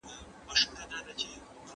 غوټه له يوازني اړخه ممکنه نه ده.